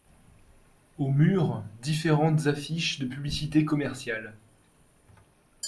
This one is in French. Aux murs, différentes affiches de publicité commerciale.